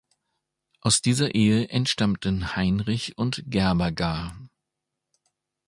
Aus dieser Ehe entstammten Heinrich und Gerberga.